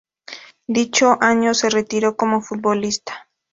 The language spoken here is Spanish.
Dicho año se retiró como futbolista.